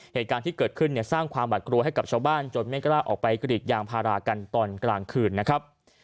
เหตุการณ์ที่เกิดขึ้นเนี่ยสร้างความหวัดกลัวให้กับชาวบ้านจนไม่กล้าออกไปกรีดยางพารากันตอนกลางคืนนะครับ